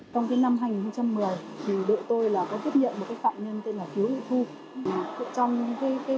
trong năm hai nghìn một mươi đội tôi là có tiếp nhận một phạm nhân tên là thiếu thị thu